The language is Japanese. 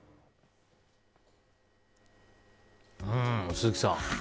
鈴木さん。